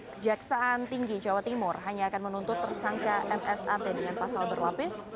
kejaksaan tinggi jawa timur hanya akan menuntut tersangka msat dengan pasal berlapis